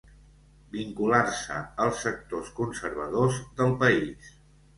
Vincular-se als sectors conservadors del país.